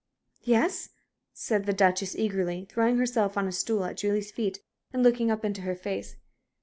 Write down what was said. "Yes?" said the Duchess, eagerly, throwing herself on a stool at Julie's feet and looking up into her face.